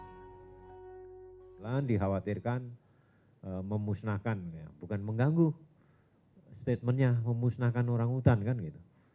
selalu dikhawatirkan memusnahkan bukan mengganggu statementnya memusnahkan orang orang utang